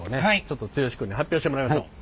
ちょっと剛君に発表してもらいましょう。